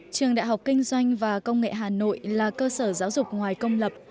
trường đại học kinh doanh và công nghệ hà nội là cơ sở giáo dục ngoài công lập